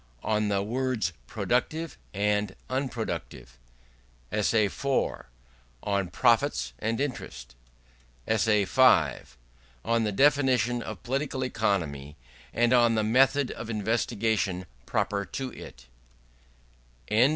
On the Words Productive and Unproductive ESSAY IV. On Profits, and Interest ESSAY V. On the Definition of Political Economy; and on the Method of Investigation proper to it ESSAY I.